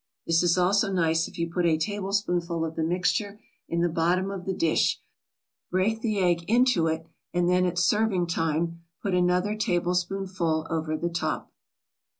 This is also nice if you put a tablespoonful of the mixture in the bottom of the dish, break the egg into it, and then at serving time put another tablespoonful over the top.